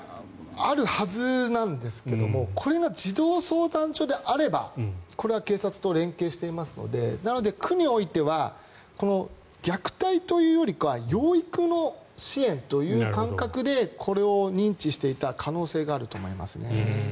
あるはずなんですけどこれが児童相談所であればこれは警察と連携していますのでなので、区においては虐待というよりかは養育の支援という感覚でこれを認知していた可能性があると思います。